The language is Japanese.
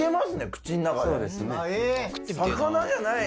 口の中で。